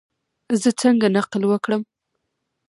زه څنګه نقل وکړم؟